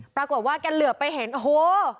ปรากฏว่าแกเหลือไปเห็นโอ้โห